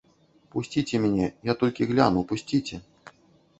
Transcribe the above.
Пусціце мяне, я толькі гляну, пусціце.